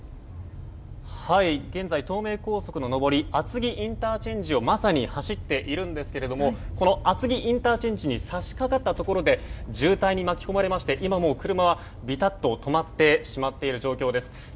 現在、東名高速の上り厚木ＩＣをまさに走っているんですがこの厚木ＩＣに差し掛かったところで渋滞に巻き込まれまして今、車はびたっと止まってしまっている状況です。